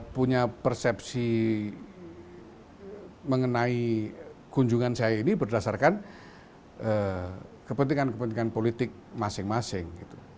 punya persepsi mengenai kunjungan saya ini berdasarkan kepentingan kepentingan politik masing masing